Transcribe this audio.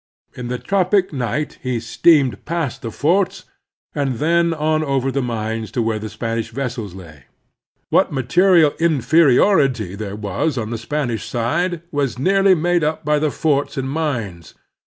In the tropic night he steamed past the forts, and then on over the mines to where the Spanish vessels lay. What material inferiority there was on the Spanish side was nearly made up by the forts and mines.